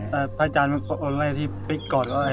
พระพระจารย์ไปกรอก่อน